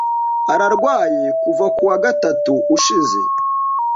Ararwaye kuva ku wa gatatu ushize.